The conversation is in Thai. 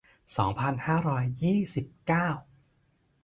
สองพันห้าร้อยยี่สิบเก้า